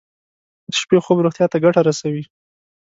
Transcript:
د شپې خوب روغتیا ته ګټه رسوي.